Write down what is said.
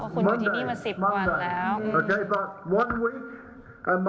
ผมดูที่มีมาสิบวันแล้ว